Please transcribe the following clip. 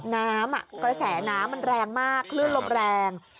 น้ำกระแสน้ำมันแรงมากคลื่นลมแรง